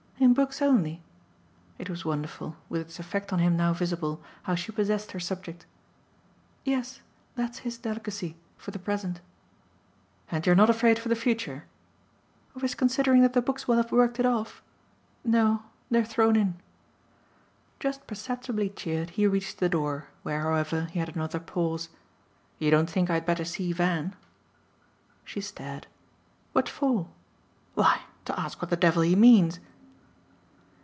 "In books only?" It was wonderful with its effect on him now visible how she possessed her subject. "Yes, that's his delicacy for the present." "And you're not afraid for the future ?" "Of his considering that the books will have worked it off? No. They're thrown in." Just perceptibly cheered he reached the door, where, however, he had another pause. "You don't think I had better see Van?" She stared. "What for?" "Why, to ask what the devil he means."